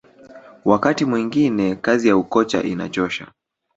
wakati mwingine kazi ya ukocha inachosha